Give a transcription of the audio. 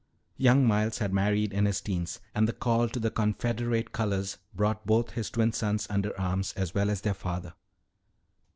Young Miles had married in his teens, and the call to the Confederate colors brought both his twin sons under arms as well as their father.